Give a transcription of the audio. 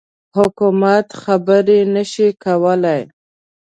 حکومت خبري نه شي کولای.